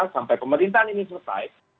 sampai pemerintahan ini survive